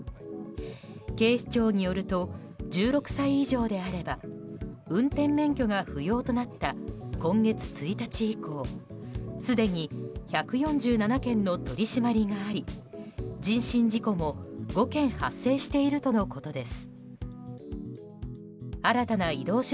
警視庁によると１６歳以上であれば運転免許が不要となった今月１日以降、すでに１４７件の取り締まりがあり人身事故も５件発生しているとのことです。